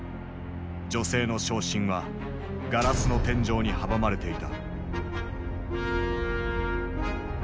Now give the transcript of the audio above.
女性の昇進はガラスの天井に阻まれていた。